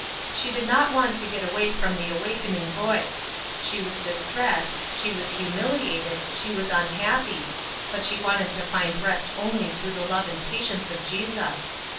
She did not want to get away from the awakening voice. She was distressed, she was humiliated, she was unhappy ; but she wanted to find rest only through the love and patience of Jesus.